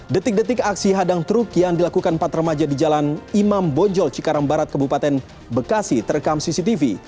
detik detik aksi hadang truk yang dilakukan empat remaja di jalan imam bonjol cikarang barat kebupaten bekasi terekam cctv